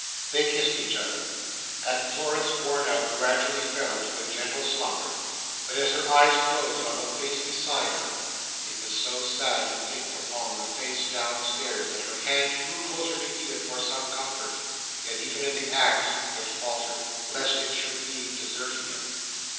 They kissed each other, and Florence, worn out, gradually fell into a gentle slumber; but as her eyes closed on the face beside her, it was so sad to think upon the face downstairs, that her hand drew closer to Edith for some comfort; yet, even in the act, it faltered, lest it should be deserting him.